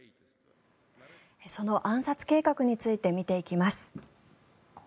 その暗殺計画について見ていきます。